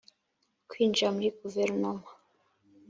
kwinjira muri guverinoma